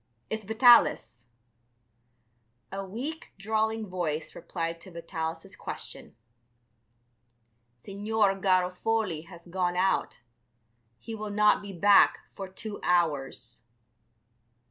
It's Vitalis." A weak, drawling voice replied to Vitalis' question. "Signor Garofoli has gone out; he will not be back for two hours."